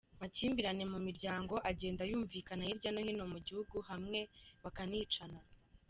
Makimbirane mu miryango agenda yumvikana hirya no hino mu gihugu, hamwe bakanicana.